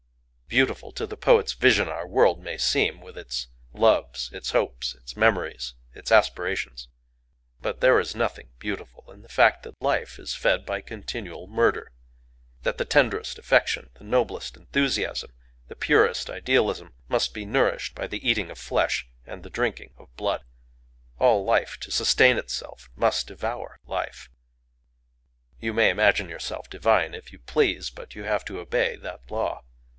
Beautiful to the poet's vision our world may seem,—with its loves, its hopes, its memories, its aspirations; but there is nothing beautiful in the fact that life is fed by continual murder,—that the tenderest affection, the noblest enthusiasm, the purest idealism, must be nourished by the eating of flesh and the drinking of blood. All life, to sustain itself, must devour life. You may imagine yourself divine if you please,—but you have to obey that law.